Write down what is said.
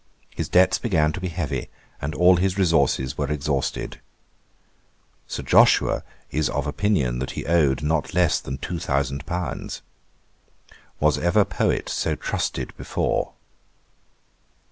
His debts began to be heavy, and all his resources were exhausted. Sir Joshua is of opinion that he owed not less than two thousand pounds. Was ever poet so trusted before?